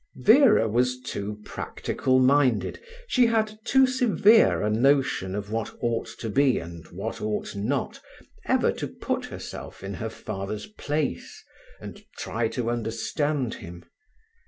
Vera was too practical minded, she had too severe a notion of what ought to be and what ought not, ever to put herself in her father's place and try to understand him.